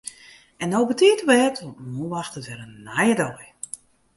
En no betiid op bêd want moarn wachtet wer in nije dei.